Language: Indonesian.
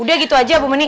udah gitu aja bu meni